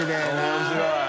面白い。